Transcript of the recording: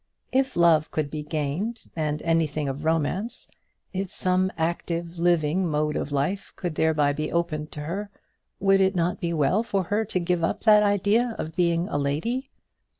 If love could be gained, and anything of romance; if some active living mode of life could thereby be opened to her, would it not be well for her to give up that idea of being a lady?